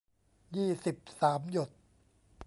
ยี่สิบสาม หยด